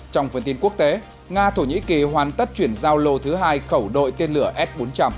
trong phần tin quốc tế nga thổ nhĩ kỳ hoàn tất chuyển giao lô thứ hai khẩu đội tên lửa s bốn trăm linh